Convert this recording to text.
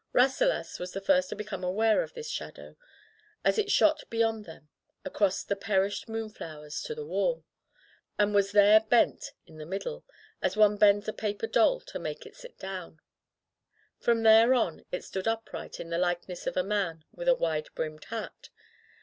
Rasselas was the first to become aware of this shadow, as it shot beyond them, across the perished moonflowers to the wall, and was there bent in the middle, as one bends a paper doll to make it sit down; from there on, it stood upright in the likeness of a man with a wide brimmed hat.